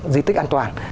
di tích an toàn